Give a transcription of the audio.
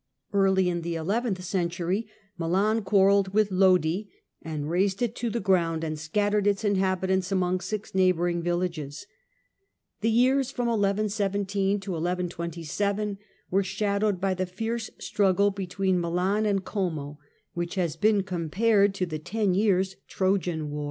Early in the eleventh century Milan quarrelled with Lodi, and razed it to the ground, and scattered its inhabitants among six neighbouring villages. The years from 1117 to 1127 were shadowed by the fierce struggle between Milan and Como, which has been compared to the ten years' Trojan War.